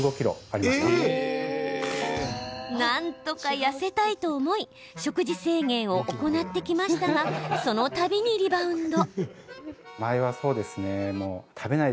なんとか痩せたいと思い食事制限を行ってきましたがそのたびにリバウンド。